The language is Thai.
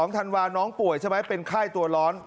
ธันวาน้องป่วยใช่ไหมเป็นไข้ตัวร้อน